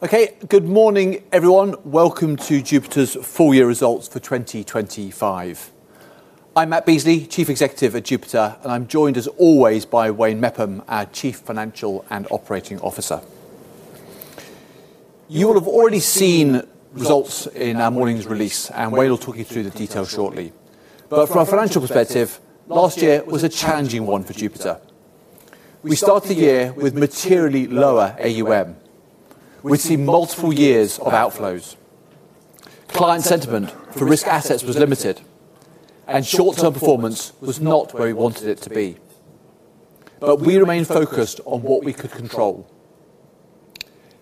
Good morning, everyone. Welcome to Jupiter's full year results for 2025. I'm Matt Beesley, Chief Executive at Jupiter, and I'm joined, as always, by Wayne Mepham, our Chief Financial and Operating Officer. You will have already seen results in our morning's release, and Wayne will talk you through the details shortly. From a financial perspective, last year was a challenging one for Jupiter. We started the year with materially lower AUM. We've seen multiple years of outflows. Client sentiment for risk assets was limited, and short-term performance was not where we wanted it to be. We remained focused on what we could control.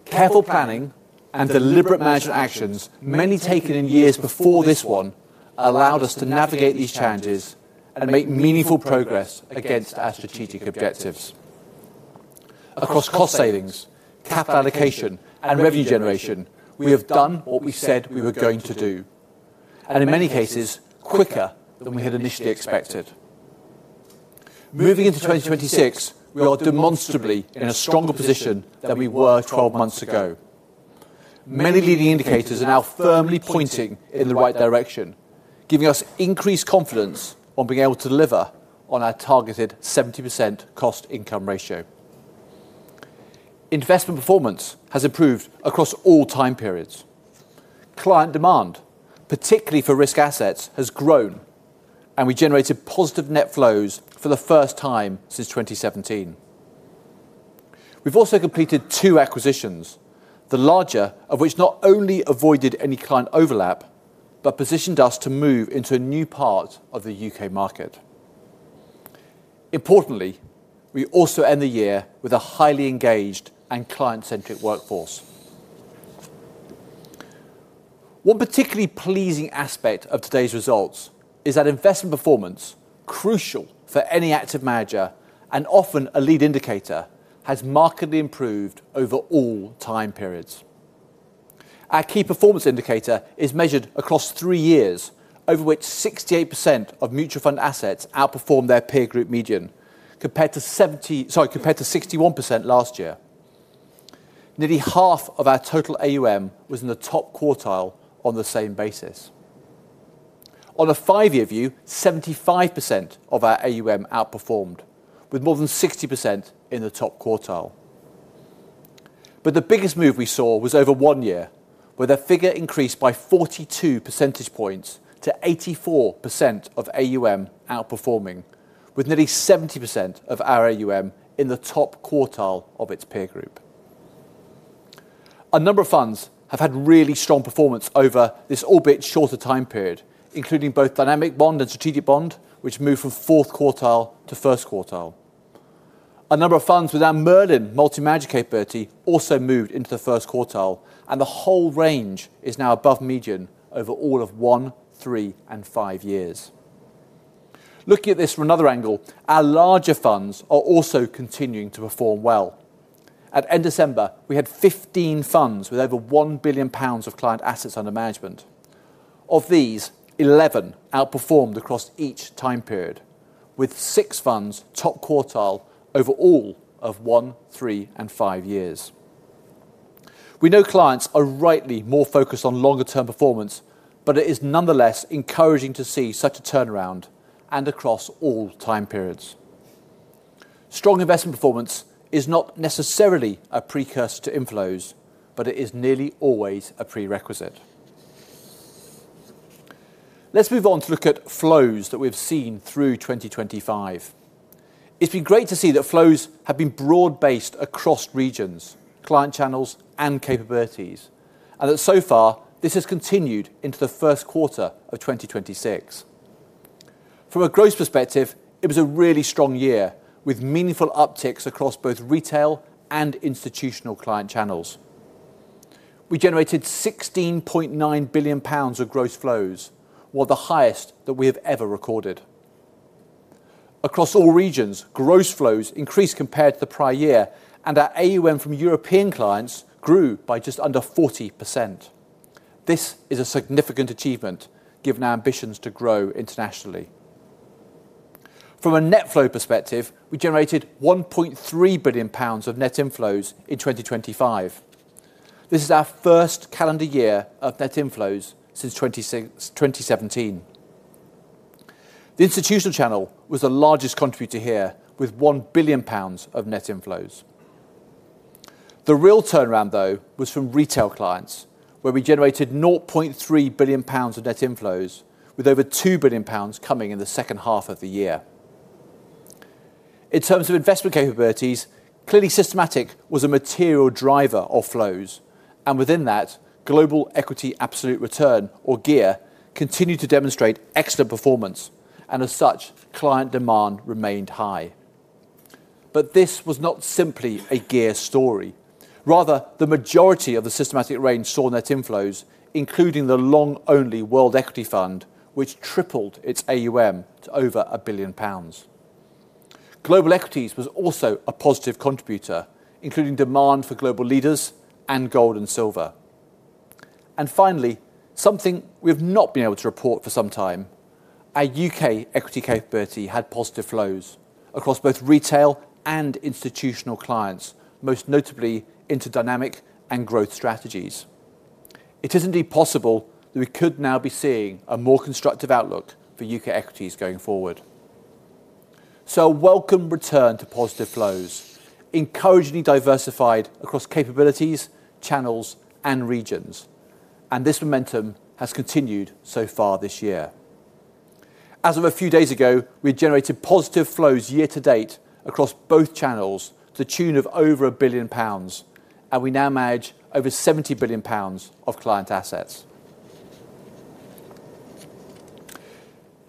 Careful planning and deliberate management actions, many taken in years before this one, allowed us to navigate these challenges and make meaningful progress against our strategic objectives. Across cost savings, capital allocation, and revenue generation, we have done what we said we were going to do, and in many cases, quicker than we had initially expected. Moving into 2026, we are demonstrably in a stronger position than we were 12 months ago. Many leading indicators are now firmly pointing in the right direction, giving us increased confidence on being able to deliver on our targeted 70% cost income ratio. Investment performance has improved across all time periods. Client demand, particularly for risk assets, has grown, and we generated positive net flows for the first time since 2017. We've also completed two acquisitions, the larger of which not only avoided any client overlap, but positioned us to move into a new part of the U.K. market. Importantly, we also end the year with a highly engaged and client-centric workforce. One particularly pleasing aspect of today's results is that investment performance, crucial for any active manager and often a lead indicator, has markedly improved over all time periods. Our key performance indicator is measured across 3 years, over which 68% of mutual fund assets outperformed their peer group median, compared to 61% last year. Nearly half of our total AUM was in the top quartile on the same basis. On a 5-year view, 75% of our AUM outperformed, with more than 60% in the top quartile. The biggest move we saw was over 1 year, where the figure increased by 42 percentage points to 84% of AUM outperforming, with nearly 70% of our AUM in the top quartile of its peer group. A number of funds have had really strong performance over this albeit shorter time period, including both Dynamic Bond and Strategic Bond, which moved from fourth quartile to first quartile. A number of funds with our Merlin multi-manager capability also moved into the first quartile. The whole range is now above median over all of one, three, and five years. Looking at this from another angle, our larger funds are also continuing to perform well. At end December, we had 15 funds with over 1 billion pounds of client assets under management. Of these, 11 outperformed across each time period, with six funds top quartile over all of one, three, and five years. We know clients are rightly more focused on longer-term performance, but it is nonetheless encouraging to see such a turnaround and across all time periods. Strong investment performance is not necessarily a precursor to inflows, but it is nearly always a prerequisite. Let's move on to look at flows that we've seen through 2025. It's been great to see that flows have been broad-based across regions, client channels, and capabilities, and that so far, this has continued into the first quarter of 2026. From a growth perspective, it was a really strong year, with meaningful upticks across both retail and institutional client channels. We generated 16.9 billion pounds of gross flows, or the highest that we have ever recorded. Across all regions, gross flows increased compared to the prior year, and our AUM from European clients grew by just under 40%. This is a significant achievement, given our ambitions to grow internationally. From a net flow perspective, we generated 1.3 billion pounds of net inflows in 2025. This is our 1st calendar year of net inflows since 2017. The institutional channel was the largest contributor here, with 1 billion pounds of net inflows. The real turnaround, though, was from retail clients, where we generated 0.3 billion pounds of net inflows, with over 2 billion pounds coming in the 2nd half of the year. In terms of investment capabilities, clearly, systematic was a material driver of flows, and within that, Global Equity Absolute Return or GEAR, continued to demonstrate excellent performance, and as such, client demand remained high. This was not simply a GEAR story. Rather, the majority of the systematic range saw net inflows, including the long-only World Equity Fund, which tripled its AUM to over 1 billion pounds. Global Equities was also a positive contributor, including demand for Global Leaders and Gold and Silver. Finally, something we've not been able to report for some time, our U.K. equity capability had positive flows across both retail and institutional clients, most notably into dynamic and growth strategies. It is indeed possible that we could now be seeing a more constructive outlook for U.K. equities going forward. A welcome return to positive flows, encouragingly diversified across capabilities, channels, and regions, and this momentum has continued so far this year. As of a few days ago, we generated positive flows year to date across both channels to the tune of over 1 billion pounds, and we now manage over 70 billion pounds of client assets.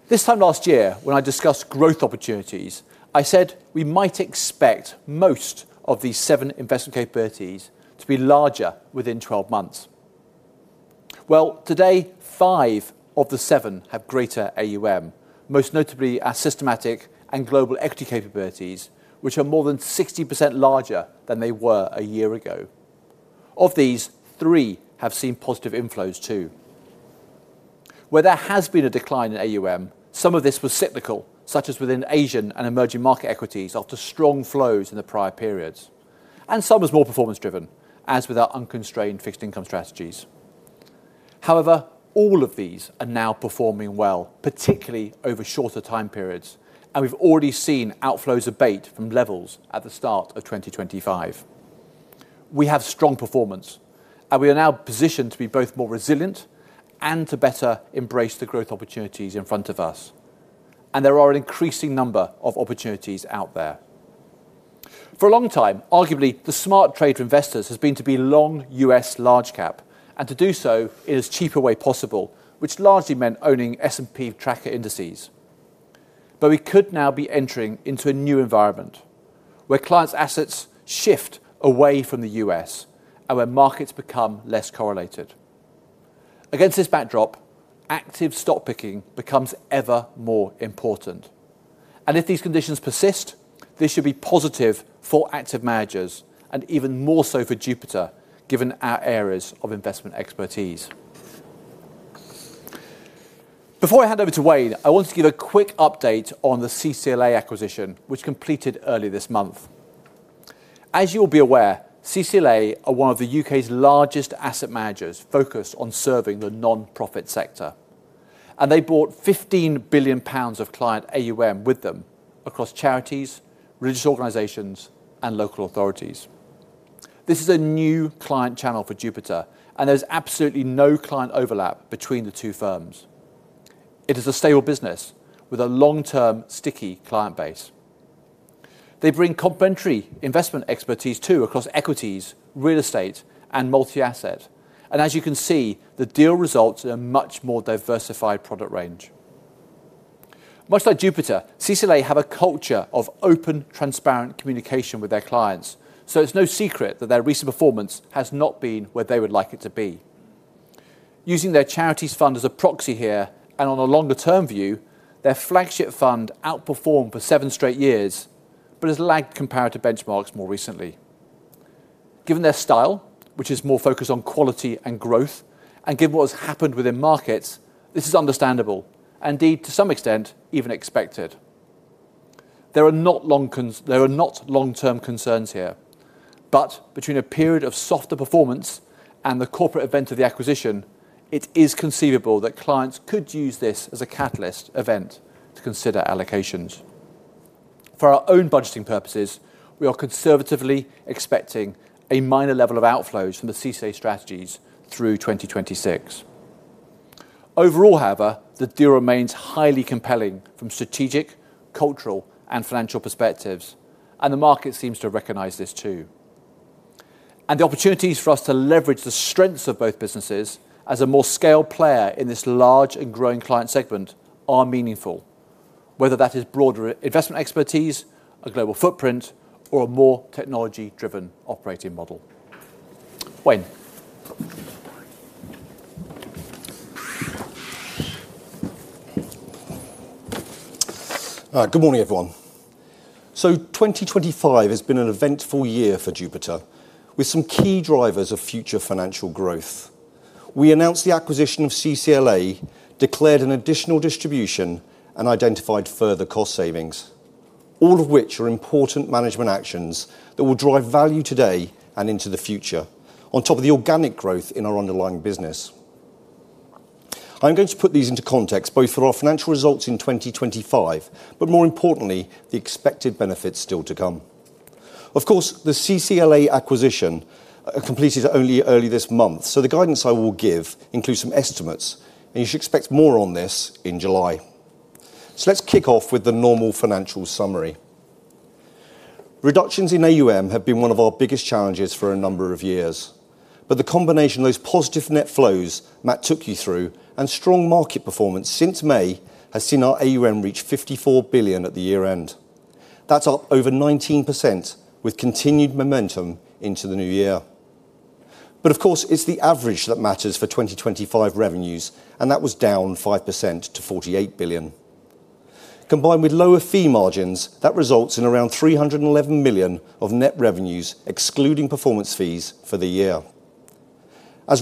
This time last year, when I discussed growth opportunities, I said we might expect most of these seven investment capabilities to be larger within 12 months. Well, today, five of the 7 have greater AUM, most notably our systematic and global equity capabilities, which are more than 60% larger than they were a year ago. Of these, 3 have seen positive inflows, too. Where there has been a decline in AUM, some of this was cyclical, such as within Asian and emerging market equities, after strong flows in the prior periods, and some was more performance driven, as with our unconstrained fixed income strategies. However, all of these are now performing well, particularly over shorter time periods, and we've already seen outflows abate from levels at the start of 2025. We have strong performance, and we are now positioned to be both more resilient and to better embrace the growth opportunities in front of us, and there are an increasing number of opportunities out there. For a long time, arguably, the smart trade for investors has been to be long U.S. large cap, and to do so in as cheaper way possible, which largely meant owning S&P tracker indices. We could now be entering into a new environment, where clients' assets shift away from the U.S. and where markets become less correlated. Against this backdrop, active stock picking becomes ever more important. If these conditions persist, this should be positive for active managers and even more so for Jupiter, given our areas of investment expertise. Before I hand over to Wayne, I want to give a quick update on the CCLA acquisition, which completed earlier this month. As you will be aware, CCLA are one of the U.K.'s largest asset managers focused on serving the nonprofit sector, and they brought 15 billion pounds of client AUM with them across charities, religious organizations, and local authorities. This is a new client channel for Jupiter. There's absolutely no client overlap between the two firms. It is a stable business with a long-term, sticky client base. They bring complementary investment expertise, too, across equities, real estate, and multi-asset. As you can see, the deal results in a much more diversified product range. Much like Jupiter, CCLA have a culture of open, transparent communication with their clients, so it's no secret that their recent performance has not been where they would like it to be. Using their charities fund as a proxy here, On a longer term view, their flagship fund outperformed for seven straight years, Has lagged comparative benchmarks more recently. Given their style, which is more focused on quality and growth, Given what has happened within markets, this is understandable, Indeed, to some extent, even expected. There are not long-term concerns here, Between a period of softer performance and the corporate event of the acquisition, it is conceivable that clients could use this as a catalyst event to consider allocations. For our own budgeting purposes, we are conservatively expecting a minor level of outflows from the CCLA strategies through 2026. Overall, however, the deal remains highly compelling from strategic, cultural, and financial perspectives, The market seems to recognize this, too. The opportunities for us to leverage the strengths of both businesses as a more scaled player in this large and growing client segment are meaningful, whether that is broader investment expertise, a global footprint, or a more technology-driven operating model. Wayne? Good morning, everyone. 2025 has been an eventful year for Jupiter, with some key drivers of future financial growth. We announced the acquisition of CCLA, declared an additional distribution, and identified further cost savings, all of which are important management actions that will drive value today and into the future, on top of the organic growth in our underlying business. I'm going to put these into context, both for our financial results in 2025, but more importantly, the expected benefits still to come. Of course, the CCLA acquisition completed only early this month, so the guidance I will give includes some estimates, and you should expect more on this in July. Let's kick off with the normal financial summary. Reductions in AUM have been one of our biggest challenges for a number of years. The combination of those positive net flows Matt took you through and strong market performance since May, has seen our AUM reach 54 billion at the year-end. That's up over 19%, with continued momentum into the new year. Of course, it's the average that matters for 2025 revenues, and that was down 5% to 48 billion. Combined with lower fee margins, that results in around 311 million of net revenues, excluding performance fees for the year.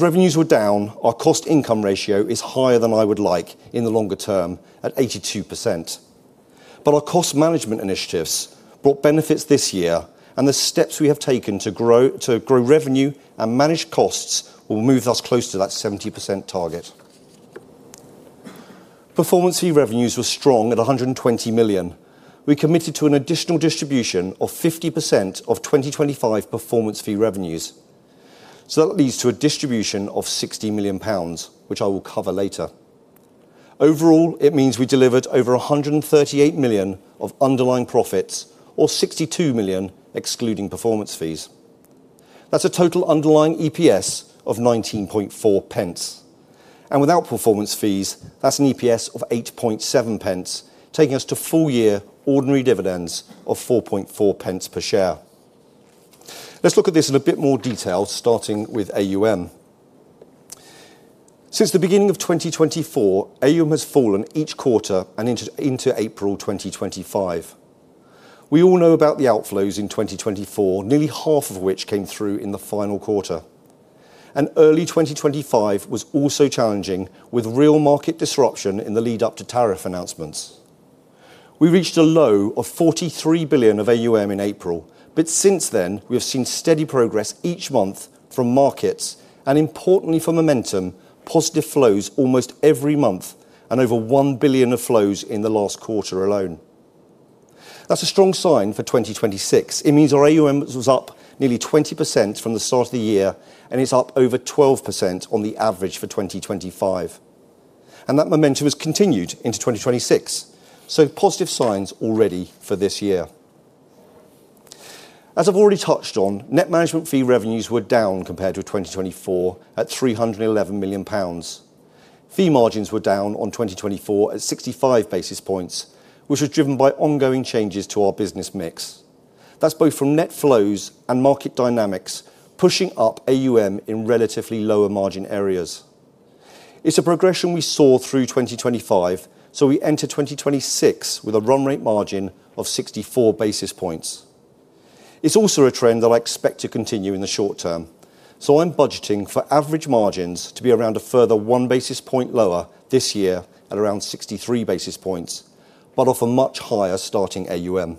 Revenues were down, our cost income ratio is higher than I would like in the longer term at 82%. Our cost management initiatives brought benefits this year, and the steps we have taken to grow revenue and manage costs will move us closer to that 70% target. Performance fee revenues were strong at 120 million. We committed to an additional distribution of 50% of 2025 performance fee revenues. That leads to a distribution of 60 million pounds, which I will cover later. Overall, it means we delivered over 138 million of underlying profits, or 62 million, excluding performance fees. That's a total underlying EPS of 19.4 pence. Without performance fees, that's an EPS of 8.7 pence, taking us to full year ordinary dividends of 4.4 pence per share. Let's look at this in a bit more detail, starting with AUM. Since the beginning of 2024, AUM has fallen each quarter and into April 2025. We all know about the outflows in 2024, nearly half of which came through in the final quarter. Early 2025 was also challenging, with real market disruption in the lead up to tariff announcements. We reached a low of 43 billion of AUM in April, but since then, we have seen steady progress each month from markets and importantly for momentum, positive flows almost every month and over 1 billion of flows in the last quarter alone. That's a strong sign for 2026. It means our AUM was up nearly 20% from the start of the year, and it's up over 12% on the average for 2025. That momentum has continued into 2026. Positive signs already for this year. I've already touched on, net management fee revenues were down compared to 2024, at 311 million pounds. Fee margins were down on 2024 at 65 basis points, which was driven by ongoing changes to our business mix. That's both from net flows and market dynamics, pushing up AUM in relatively lower margin areas. It's a progression we saw through 2025, so we enter 2026 with a run rate margin of 64 basis points. It's also a trend that I expect to continue in the short term. I'm budgeting for average margins to be around a further 1 basis point lower this year at around 63 basis points, but off a much higher starting AUM.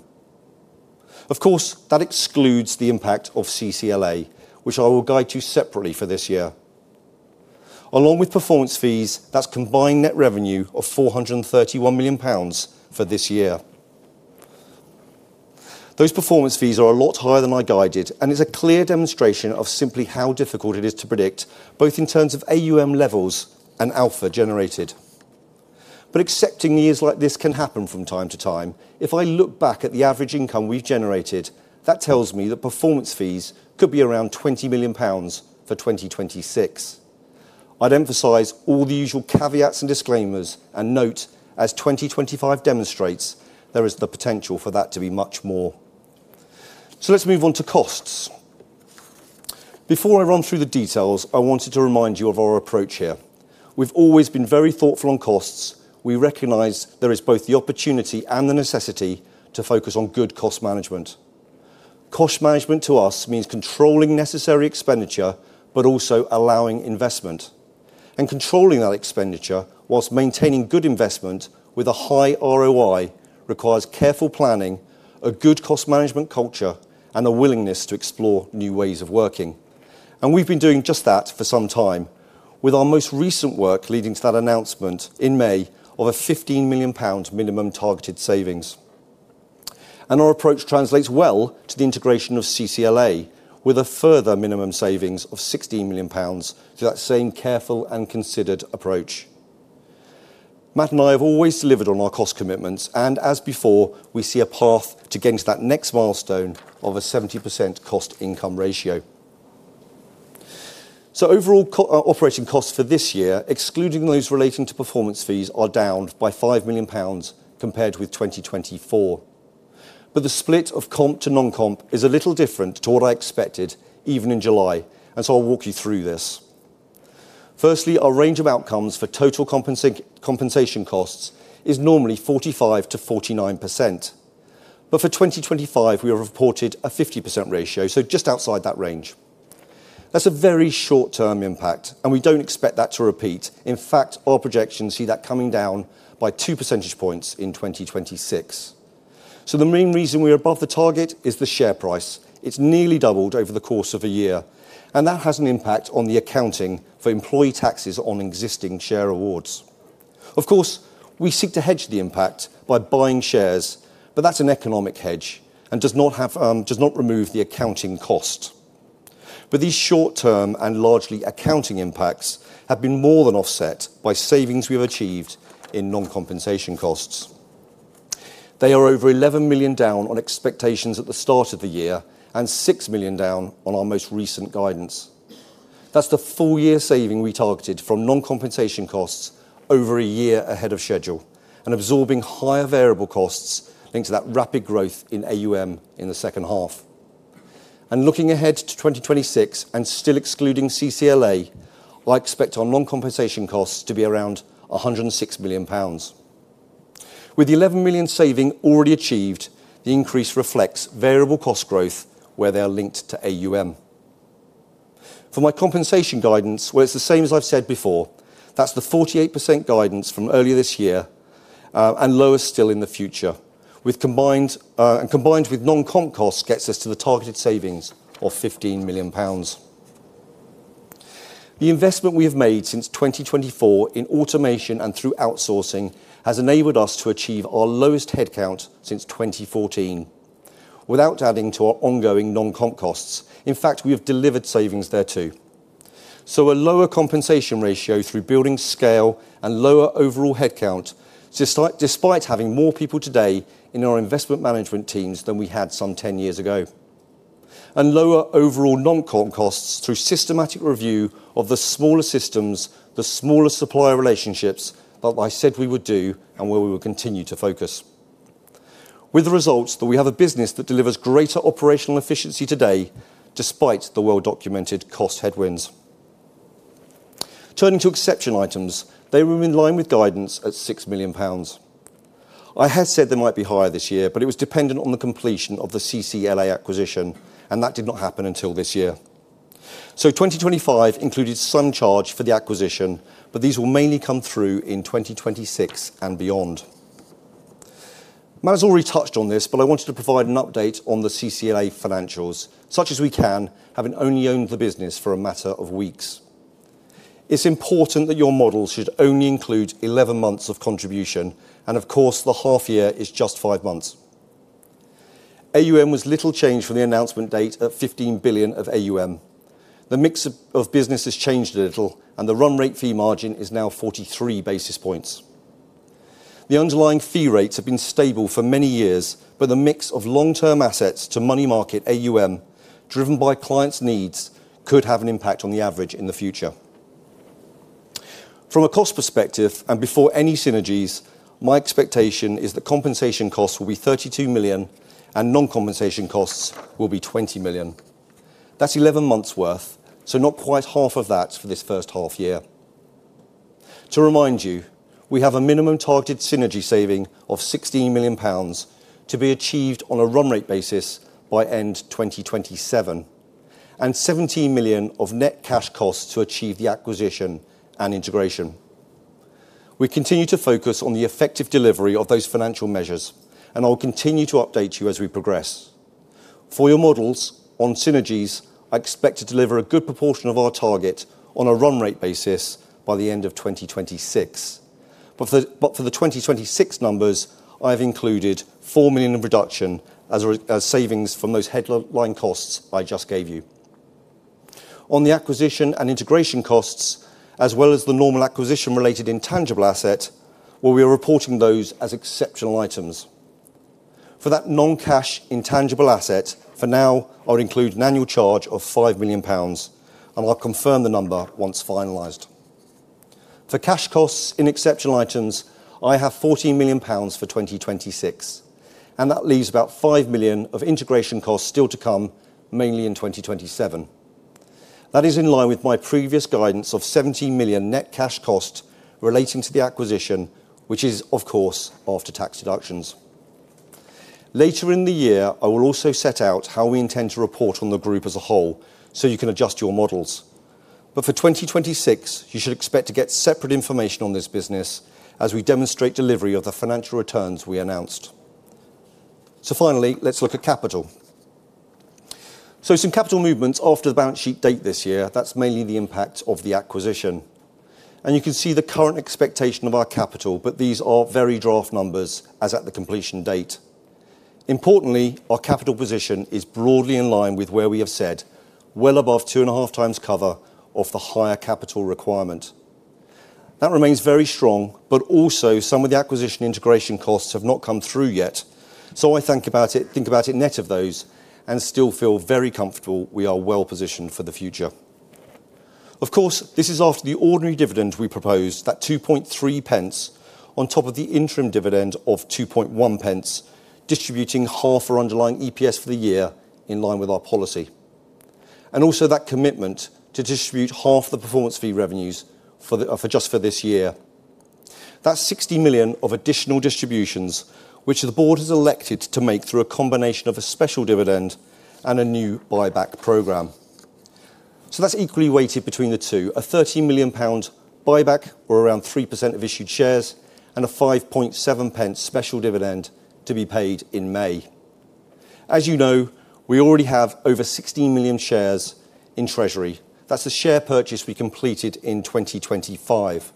Of course, that excludes the impact of CCLA, which I will guide you separately for this year. Along with performance fees, that's combined net revenue of 431 million pounds for this year. Those performance fees are a lot higher than I guided, it's a clear demonstration of simply how difficult it is to predict, both in terms of AUM levels and alpha generated. Accepting years like this can happen from time to time, if I look back at the average income we've generated, that tells me that performance fees could be around 20 million pounds for 2026. I'd emphasize all the usual caveats and disclaimers and note, as 2025 demonstrates, there is the potential for that to be much more. Let's move on to costs. Before I run through the details, I wanted to remind you of our approach here. We've always been very thoughtful on costs. We recognize there is both the opportunity and the necessity to focus on good cost management. Cost management, to us, means controlling necessary expenditure, but also allowing investment. Controlling that expenditure whilst maintaining good investment with a high ROI requires careful planning, a good cost management culture, and a willingness to explore new ways of working. We've been doing just that for some time, with our most recent work leading to that announcement in May of a 15 million pound minimum targeted savings. Our approach translates well to the integration of CCLA, with a further minimum savings of 16 million pounds to that same careful and considered approach. Matt and I have always delivered on our cost commitments, and as before, we see a path to getting to that next milestone of a 70% cost income ratio. Overall operating costs for this year, excluding those relating to performance fees, are down by 5 million pounds compared with 2024. The split of comp to non-comp is a little different to what I expected, even in July. I'll walk you through this. Firstly, our range of outcomes for total compensation costs is normally 45%-49%, but for 2025, we have reported a 50% ratio, so just outside that range. That's a very short-term impact, and we don't expect that to repeat. In fact, our projections see that coming down by 2 percentage points in 2026. The main reason we're above the target is the share price. It's nearly doubled over the course of a year, and that has an impact on the accounting for employee taxes on existing share awards. Of course, we seek to hedge the impact by buying shares, but that's an economic hedge and does not have, does not remove the accounting cost. These short term and largely accounting impacts have been more than offset by savings we have achieved in non-compensation costs. They are over 11 million down on expectations at the start of the year and 6 million down on our most recent guidance. That's the full year saving we targeted from non-compensation costs over a year ahead of schedule and absorbing higher variable costs linked to that rapid growth in AUM in the second half. Looking ahead to 2026 and still excluding CCLA, well, I expect our non-compensation costs to be around 106 million pounds. With the 11 million saving already achieved, the increase reflects variable cost growth where they are linked to AUM. For my compensation guidance, well, it's the same as I've said before. That's the 48% guidance from earlier this year, and lower still in the future. Combined with non-comp costs, gets us to the targeted savings of 15 million pounds. The investment we have made since 2024 in automation and through outsourcing has enabled us to achieve our lowest headcount since 2014 without adding to our ongoing non-comp costs. In fact, we have delivered savings there, too. A lower compensation ratio through building scale and lower overall headcount, despite having more people today in our investment management teams than we had some 10 years ago. Lower overall non-comp costs through systematic review of the smaller systems, the smaller supplier relationships, like I said we would do, and where we will continue to focus. With the results, that we have a business that delivers greater operational efficiency today, despite the well-documented cost headwinds. Turning to exceptional items, they were in line with guidance at 6 million pounds. I had said they might be higher this year, but it was dependent on the completion of the CCLA acquisition, and that did not happen until this year. 2025 included some charge for the acquisition, but these will mainly come through in 2026 and beyond. Matt's already touched on this, I wanted to provide an update on the CCLA financials, such as we can, having only owned the business for a matter of weeks. It's important that your model should only include 11 months of contribution, the half year is just 5 months. AUM was little change from the announcement date of 15 billion of AUM. The mix of business has changed a little. The run rate fee margin is now 43 basis points. The underlying fee rates have been stable for many years. The mix of long-term assets to money market AUM, driven by clients' needs, could have an impact on the average in the future. From a cost perspective, before any synergies, my expectation is that compensation costs will be 32 million and non-compensation costs will be 20 million. That's 11 months' worth, so not quite half of that for this first half year. To remind you, we have a minimum targeted synergy saving of 16 million pounds to be achieved on a run rate basis by end 2027. Seventeen million of net cash costs to achieve the acquisition and integration. We continue to focus on the effective delivery of those financial measures, and I'll continue to update you as we progress. For your models on synergies, I expect to deliver a good proportion of our target on a run-rate basis by the end of 2026. For the 2026 numbers, I've included 4 million of reduction as savings from those headline costs I just gave you. On the acquisition and integration costs, as well as the normal acquisition-related intangible asset, well, we are reporting those as exceptional items. For that non-cash intangible asset, for now, I'll include an annual charge of 5 million pounds, and I'll confirm the number once finalized. For cash costs in exceptional items, I have GBP 14 million for 2026, and that leaves about GBP 5 million of integration costs still to come, mainly in 2027. That is in line with my previous guidance of 17 million net cash cost relating to the acquisition, which is, of course, after-tax deductions. Later in the year, I will also set out how we intend to report on the group as a whole, so you can adjust your models. For 2026, you should expect to get separate information on this business as we demonstrate delivery of the financial returns we announced. Finally, let's look at capital. Some capital movements after the balance sheet date this year, that's mainly the impact of the acquisition. You can see the current expectation of our capital, but these are very draft numbers as at the completion date. Importantly, our capital position is broadly in line with where we have said, well above 2.5 times cover of the higher capital requirement. That remains very strong, also some of the acquisition integration costs have not come through yet. I think about it net of those and still feel very comfortable we are well positioned for the future. Of course, this is after the ordinary dividend we proposed, that 2.3 pence, on top of the interim dividend of 2.1 pence, distributing half our underlying EPS for the year in line with our policy. Also that commitment to distribute half the performance fee revenues for the just for this year. That's 60 million of additional distributions, which the board has elected to make through a combination of a special dividend and a new buyback program. That's equally weighted between the two, a 30 million pounds buyback, or around 3% of issued shares, and a 5.7 pence special dividend to be paid in May. As you know, we already have over 16 million shares in treasury. That's a share purchase we completed in 2025.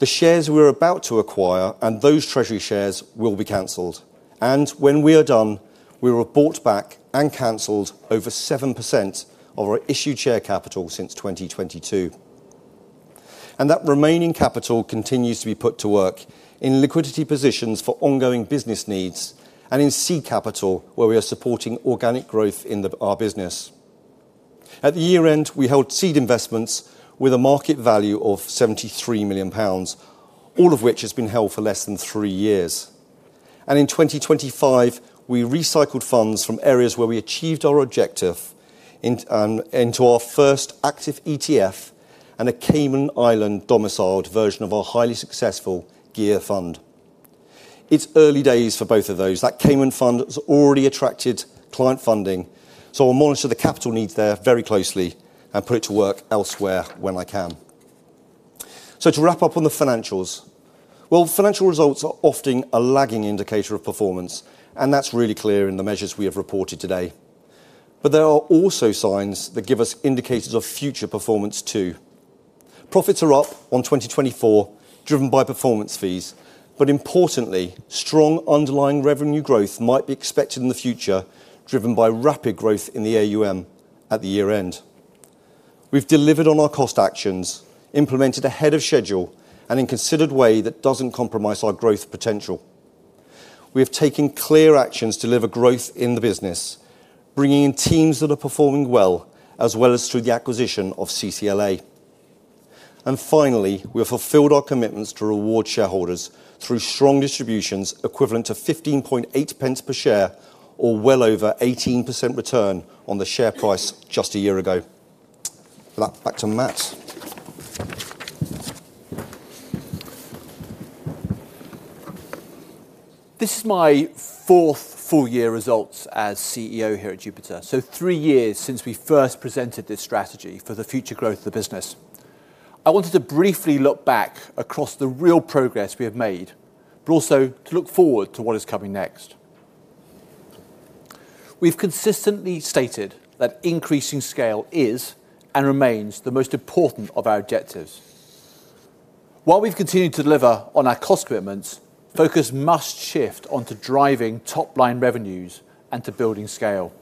The shares we're about to acquire and those treasury shares will be canceled, and when we are done, we will have bought back and canceled over 7% of our issued share capital since 2022. That remaining capital continues to be put to work in liquidity positions for ongoing business needs and in seed capital, where we are supporting organic growth in our business. At the year-end, we held seed investments with a market value of 73 million pounds, all of which has been held for less than three years. In 2025, we recycled funds from areas where we achieved our objective in, into our first active ETF and a Cayman Islands-domiciled version of our highly successful GEAR fund. It's early days for both of those. That Cayman fund has already attracted client funding, so we'll monitor the capital needs there very closely and put it to work elsewhere when I can. To wrap up on the financials. Well, financial results are often a lagging indicator of performance, and that's really clear in the measures we have reported today. There are also signs that give us indicators of future performance, too. Profits are up on 2024, driven by performance fees. Importantly, strong underlying revenue growth might be expected in the future, driven by rapid growth in the AUM at the year-end. We've delivered on our cost actions, implemented ahead of schedule and in a considered way that doesn't compromise our growth potential. We have taken clear actions to deliver growth in the business, bringing in teams that are performing well, as well as through the acquisition of CCLA. Finally, we have fulfilled our commitments to reward shareholders through strong distributions equivalent to 0.158 per share, or well over 18% return on the share price just a year ago. Back to Matt. This is my fourth full year results as CEO here at Jupiter. Three years since we first presented this strategy for the future growth of the business. I wanted to briefly look back across the real progress we have made, but also to look forward to what is coming next. We've consistently stated that increasing scale is and remains the most important of our objectives. While we've continued to deliver on our cost commitments, focus must shift onto driving top-line revenues and to building scale.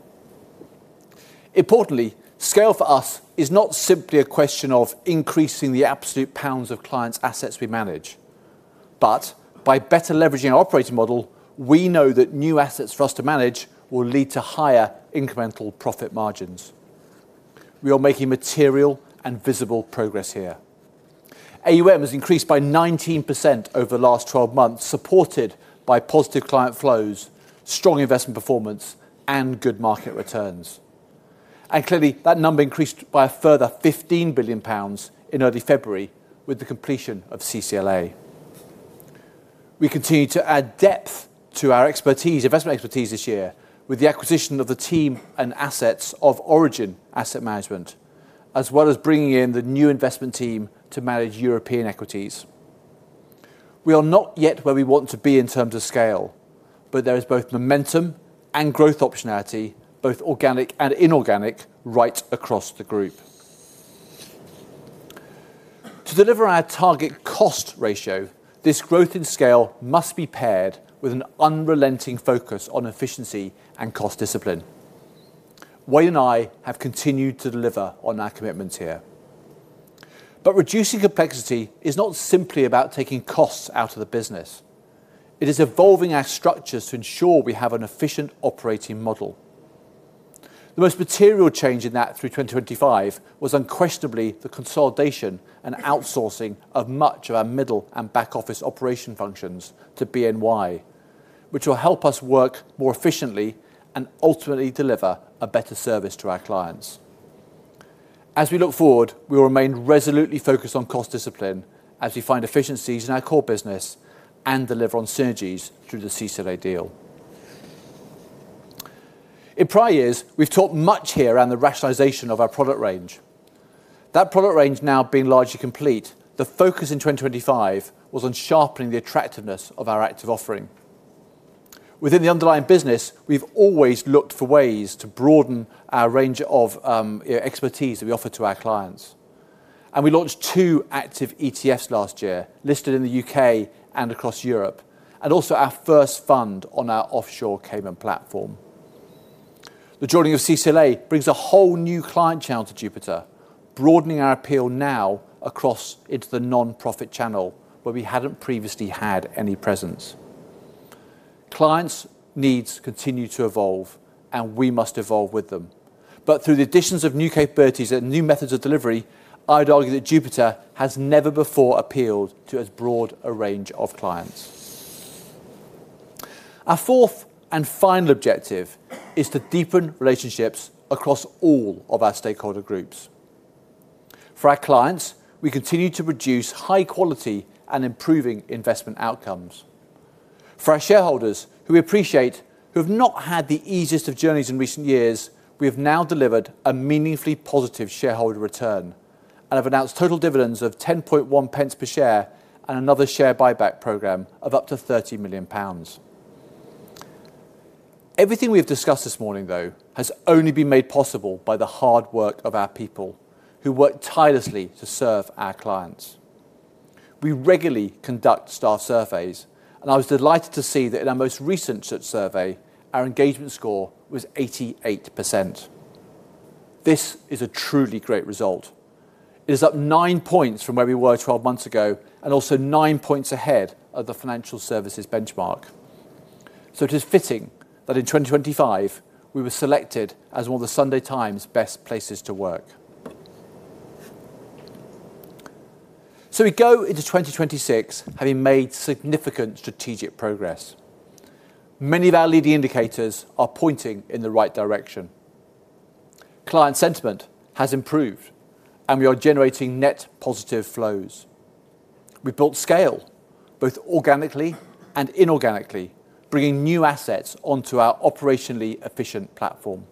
Importantly, scale for us is not simply a question of increasing the absolute pounds of clients' assets we manage, but by better leveraging our operating model, we know that new assets for us to manage will lead to higher incremental profit margins. We are making material and visible progress here. AUM has increased by 19% over the last 12 months, supported by positive client flows, strong investment performance, and good market returns. Clearly, that number increased by a further 15 billion pounds in early February with the completion of CCLA. We continue to add depth to our expertise, investment expertise this year, with the acquisition of the team and assets of Origin Asset Management, as well as bringing in the new investment team to manage European equities. We are not yet where we want to be in terms of scale, there is both momentum and growth optionality, both organic and inorganic, right across the group. To deliver our target cost ratio, this growth in scale must be paired with an unrelenting focus on efficiency and cost discipline. Wayne and I have continued to deliver on our commitments here. Reducing complexity is not simply about taking costs out of the business. It is evolving our structures to ensure we have an efficient operating model. The most material change in that through 2025 was unquestionably the consolidation and outsourcing of much of our middle and back-office operation functions to BNY, which will help us work more efficiently and ultimately deliver a better service to our clients. As we look forward, we will remain resolutely focused on cost discipline as we find efficiencies in our core business and deliver on synergies through the CCLA deal. In prior years, we've talked much here around the rationalization of our product range. That product range now being largely complete, the focus in 2025 was on sharpening the attractiveness of our active offering. Within the underlying business, we've always looked for ways to broaden our range of expertise that we offer to our clients. We launched two active ETFs last year, listed in the U.K. and across Europe, and also our first fund on our offshore Cayman platform. The joining of CCLA brings a whole new client channel to Jupiter, broadening our appeal now across into the nonprofit channel, where we hadn't previously had any presence. Clients' needs continue to evolve, and we must evolve with them. Through the additions of new capabilities and new methods of delivery, I'd argue that Jupiter has never before appealed to as broad a range of clients. Our fourth and final objective is to deepen relationships across all of our stakeholder groups. For our clients, we continue to produce high quality and improving investment outcomes. For our shareholders, who we appreciate, who have not had the easiest of journeys in recent years, we have now delivered a meaningfully positive shareholder return and have announced total dividends of 10.1 pence per share and another share buyback program of up to 30 million pounds. Everything we have discussed this morning, though, has only been made possible by the hard work of our people, who work tirelessly to serve our clients. We regularly conduct staff surveys, and I was delighted to see that in our most recent survey, our engagement score was 88%. This is a truly great result. It is up nine points from where we were 12 months ago and also nine points ahead of the financial services benchmark. It is fitting that in 2025, we were selected as one of The Sunday Times Best Places to Work. We go into 2026, having made significant strategic progress. Many of our leading indicators are pointing in the right direction. Client sentiment has improved, and we are generating net positive flows. We've built scale, both organically and inorganically, bringing new assets onto our operationally efficient platform.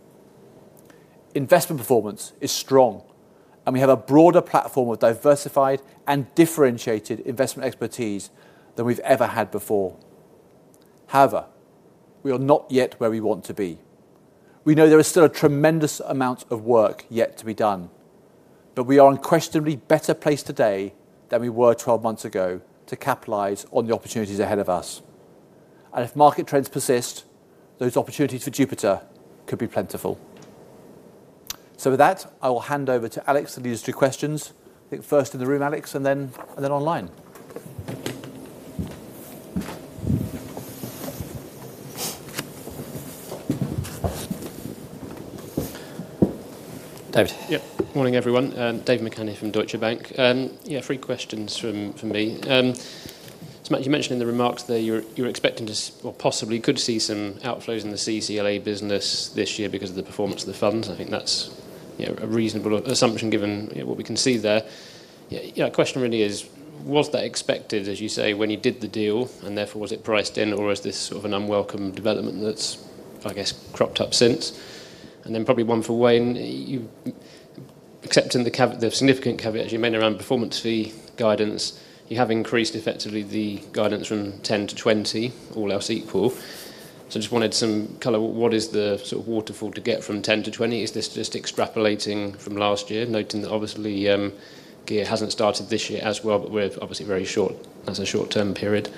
Investment performance is strong, and we have a broader platform of diversified and differentiated investment expertise than we've ever had before. However, we are not yet where we want to be. We know there is still a tremendous amount of work yet to be done, but we are unquestionably better placed today than we were 12 months ago to capitalize on the opportunities ahead of us. If market trends persist, those opportunities for Jupiter could be plentiful. With that, I will hand over to Alex to lead us through questions. I think first in the room, Alex, and then online. David. Yep. Morning, everyone. David McCann from Deutsche Bank. Yeah, three questions from me. Matt, you mentioned in the remarks that you're expecting to possibly could see some outflows in the CCLA business this year because of the performance of the funds. I think that's, you know, a reasonable assumption, given, you know, what we can see there. The question really is: Was that expected, as you say, when you did the deal, and therefore, was it priced in, or is this sort of an unwelcome development that's, I guess, cropped up since? Probably one for Wayne. You, accepting the significant caveat you made around performance fee guidance, you have increased, effectively, the guidance from 10 to 20, all else equal. I just wanted some color. What is the sort of waterfall to get from 10 to 20? Is this just extrapolating from last year, noting that obviously, GEAR hasn't started this year as well, but we're obviously very short as a short-term period.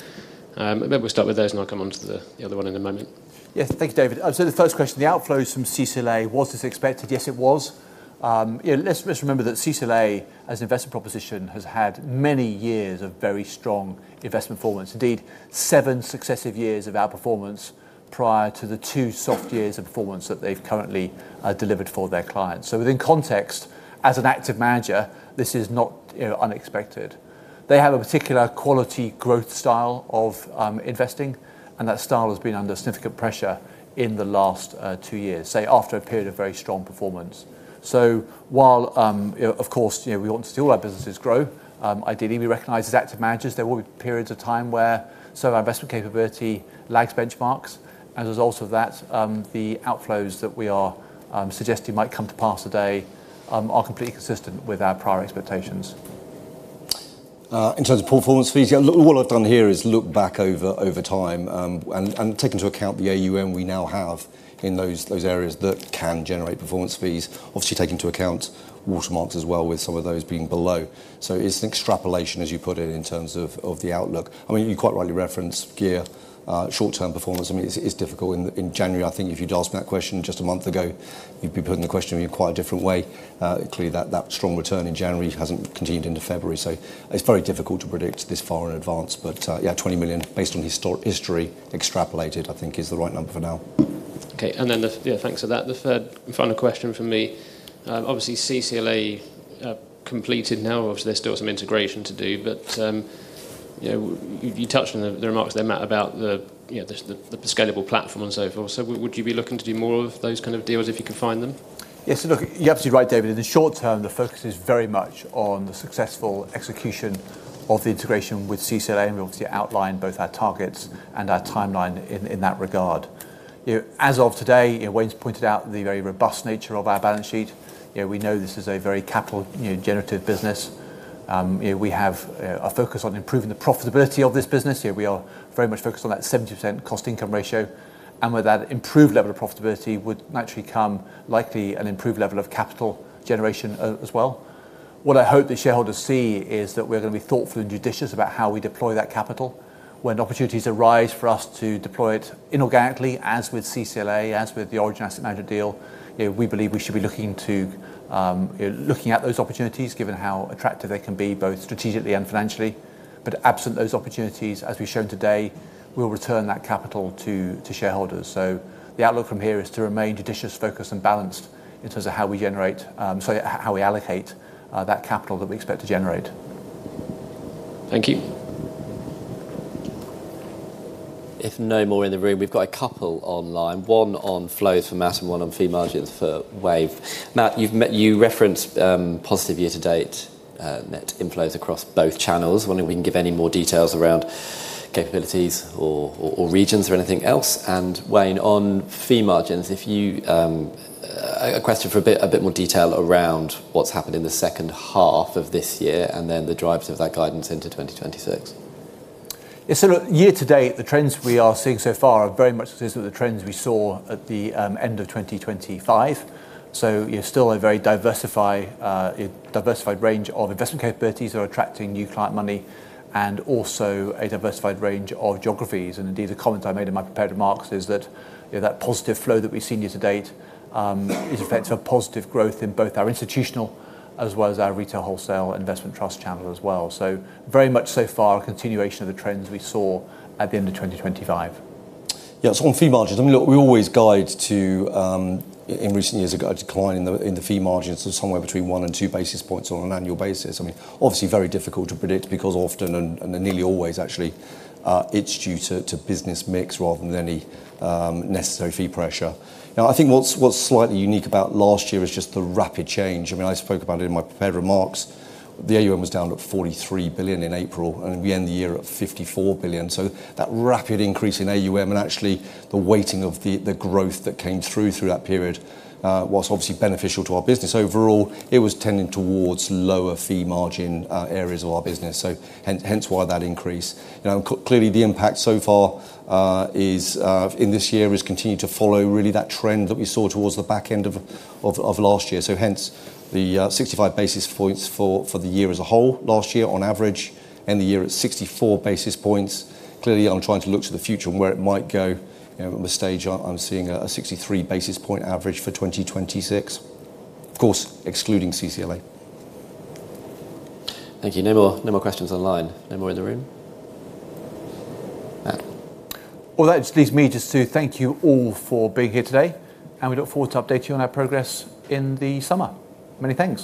Maybe we'll start with those, and I'll come on to the other one in a moment. Yes. Thank you, David. The first question, the outflows from CCLA, was this expected? Yes, it was. Let's remember that CCLA, as an investment proposition, has had many years of very strong investment performance. Indeed, seven successive years of outperformance prior to the two soft years of performance that they've currently delivered for their clients. Within context, as an active manager, this is not, you know, unexpected. They have a particular quality growth style of investing, and that style has been under significant pressure in the last two years, say, after a period of very strong performance. While, you know, of course, you know, we want to see all our businesses grow, ideally, we recognize as active managers, there will be periods of time where some of our investment capability lags benchmarks. As a result of that, the outflows that we are suggesting might come to pass today, are completely consistent with our prior expectations. In terms of performance fees, yeah, look, all I've done here is look back over time and take into account the AUM we now have in those areas that can generate performance fees. Obviously, take into account watermarks as well, with some of those being below. It's an extrapolation, as you put it, in terms of the outlook. I mean, you quite rightly reference GEAR. Short-term performance, I mean, it's difficult. In January, I think if you'd asked me that question just a month ago, you'd be putting the question in quite a different way. Clearly, that strong return in January hasn't continued into February, it's very difficult to predict this far in advance. Yeah, 20 million, based on history, extrapolated, I think, is the right number for now. Yeah, thanks for that. The third and final question from me. Obviously, CCLA completed now. Obviously, there's still some integration to do, but, you know, you touched on the remarks there, Matt, about the, you know, the scalable platform and so forth. Would you be looking to do more of those kind of deals if you could find them? Yes. Look, you're absolutely right, David. In the short term, the focus is very much on the successful execution of the integration with CCLA, and we obviously outlined both our targets and our timeline in that regard. You know, as of today, you know, Wayne's pointed out the very robust nature of our balance sheet. You know, we know this is a very capital, you know, generative business. You know, we have a focus on improving the profitability of this business. You know, we are very much focused on that 70% cost income ratio. With that improved level of profitability would naturally come likely an improved level of capital generation as well. What I hope the shareholders see is that we're gonna be thoughtful and judicious about how we deploy that capital. When opportunities arise for us to deploy it inorganically, as with CCLA, as with the Origin Asset Management deal, you know, we believe we should be looking at those opportunities, given how attractive they can be, both strategically and financially. Absent those opportunities, as we've shown today, we'll return that capital to shareholders. The outlook from here is to remain judicious, focused, and balanced in terms of how we generate, sorry, how we allocate that capital that we expect to generate. Thank you. If no more in the room, we've got a couple online, one on flows for Matt and one on fee margins for Wayne. Matt, you've you referenced positive year-to-date net inflows across both channels. Wondering if we can give any more details around capabilities or regions or anything else. Wayne, on fee margins, if you a question for a bit more detail around what's happened in the second half of this year, and then the drivers of that guidance into 2026. Yes, year to date, the trends we are seeing so far are very much consistent with the trends we saw at the end of 2025. You know, still a very diversified range of investment capabilities are attracting new client money, and also a diversified range of geographies. Indeed, a comment I made in my prepared remarks is that, you know, that positive flow that we've seen year to date, is effective positive growth in both our institutional as well as our retail wholesale investment trust channel as well. Very much so far, a continuation of the trends we saw at the end of 2025. On fee margins, I mean, look, we always guide to, in recent years, a guide decline in the fee margins of somewhere between 1 and 2 basis points on an annual basis. I mean, obviously very difficult to predict because often, and nearly always actually, it's due to business mix rather than any necessary fee pressure. I think what's slightly unique about last year is just the rapid change. I mean, I spoke about it in my prepared remarks. The AUM was down to 43 billion in April, and we end the year at 54 billion. That rapid increase in AUM, and actually the weighting of the growth that came through that period, was obviously beneficial to our business. Overall, it was tending towards lower fee margin areas of our business, hence why that increase. You know, clearly, the impact so far in this year, has continued to follow really that trend that we saw towards the back end of last year. Hence, the 65 basis points for the year as a whole. Last year, on average, end the year at 64 basis points. Clearly, I'm trying to look to the future and where it might go. You know, at this stage, I'm seeing a 63 basis point average for 2026, of course, excluding CCLA. Thank you. No more questions online. No more in the room? Matt. Well, that just leaves me to thank you all for being here today, and we look forward to updating you on our progress in the summer. Many thanks.